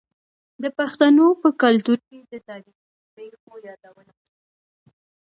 د پښتنو په کلتور کې د تاریخي پیښو یادونه کیږي.